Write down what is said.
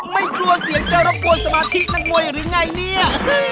ไม่กลัวเสียงจะรบกวนสมาธินักมวยหรือไงเนี่ย